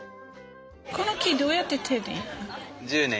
この木どうやって手に？